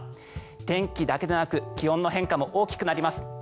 天気だけでなく気温の変化も大きくなります。